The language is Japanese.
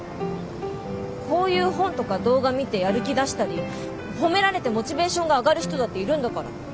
こういう本とか動画見てやる気出したり褒められてモチベーションが上がる人だっているんだから。